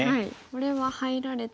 これは入られても。